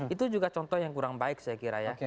itu juga contoh yang kurang baik saya kira ya